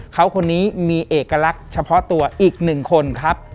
เขาคนนี้มีเอกลักษณ์เฉพาะตัวอีกหนึ่งคนครับ